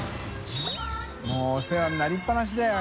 發お世話になりっぱなしだよ